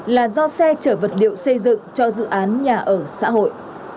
là do xe chở vật liệu xây dựng cho dự án nhà ở xã hội